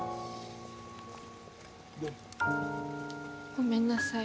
ごめんなさい。